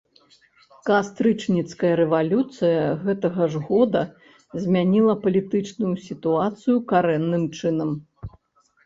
Кастрычніцкая рэвалюцыя гэтага ж года змяніла палітычную сітуацыю карэнным чынам.